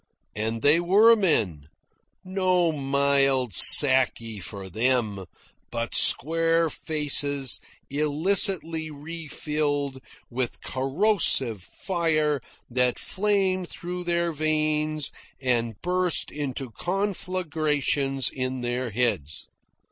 And they WERE men. No mild saki for them, but square faces illicitly refilled with corrosive fire that flamed through their veins and burst into conflagrations in their heads.